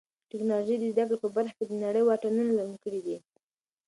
ټیکنالوژي د زده کړې په برخه کې د نړۍ واټنونه لنډ کړي دي.